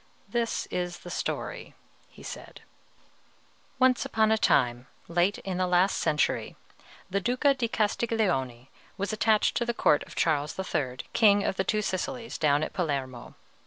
"This is the story," he said. "Once upon a time, late in the last century, the Duca di Castiglione was attached to the court of Charles III., King of the Two Sicilies, down at Palermo.